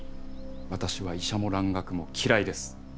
私は医者も蘭学も嫌いです！